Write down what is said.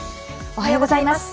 おはようございます。